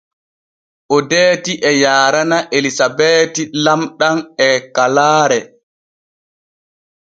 Odeeti e yaarana Elisabeeti lamɗam e kalaare.